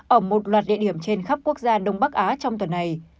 ở một loạt địa điểm trên khắp quốc gia đông bắc á trong tuần này